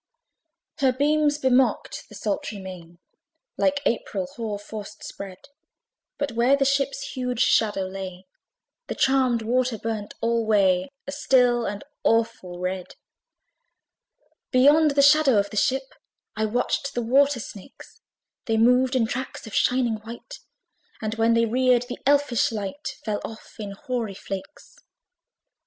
Her beams bemocked the sultry main, Like April hoar frost spread; But where the ship's huge shadow lay, The charmed water burnt alway A still and awful red. Beyond the shadow of the ship, I watched the water snakes: They moved in tracks of shining white, And when they reared, the elfish light Fell off in hoary flakes.